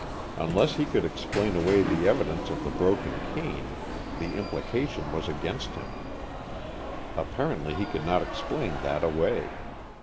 Unless he could explain away the evidence of the broken cane, the implication was against him. Apparently he could not explain that away.